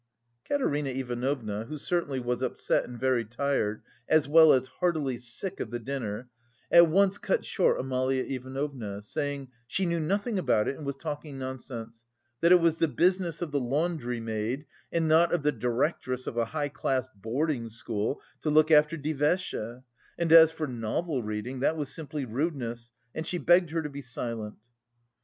Katerina Ivanovna, who certainly was upset and very tired, as well as heartily sick of the dinner, at once cut short Amalia Ivanovna, saying "she knew nothing about it and was talking nonsense, that it was the business of the laundry maid, and not of the directress of a high class boarding school to look after die Wäsche, and as for novel reading, that was simply rudeness, and she begged her to be silent."